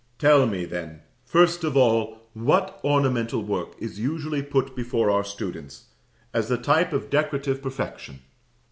Tell me, then, first of all, what ornamental work is usually put before our students as the type of decorative perfection?